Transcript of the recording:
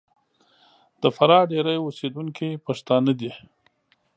د فراه ډېری اوسېدونکي پښتانه دي.